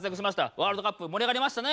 ワールドカップ盛り上がりましたね？